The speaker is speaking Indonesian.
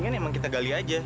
ya mendingan kita gali aja